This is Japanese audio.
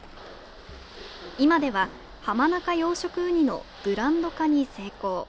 今では、浜中養殖ウニのブランド化に成功。